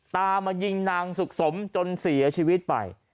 ตามมายิงนางสุขสมจนเสียชีวิตไป